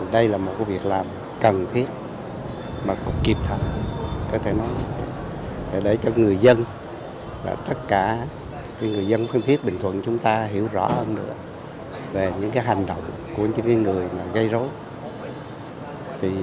đây là một việc làm cần thiết mà còn kịp thật để cho người dân tất cả người dân phan thiết bình thuận chúng ta hiểu rõ hơn nữa về những hành động của những người gây rối